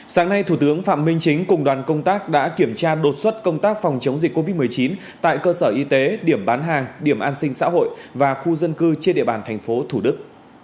sáng nay thủ tướng phạm minh chính cùng đoàn công tác đã kiểm tra đột xuất công tác phòng chống dịch covid một mươi chín tại cơ sở y tế điểm bán hàng điểm an sinh xã hội và khu dân cư trên địa bàn thành phố thủ đức